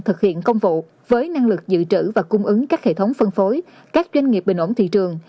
thực hiện công vụ với năng lực dự trữ và cung ứng các hệ thống phân phối các doanh nghiệp bình ổn thị trường